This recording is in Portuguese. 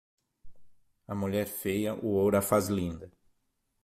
A mulher feia, o ouro a faz linda.